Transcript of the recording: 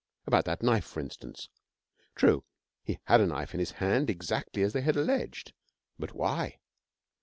About that knife, for instance. True, he had a knife in his hand exactly as they had alleged. But why?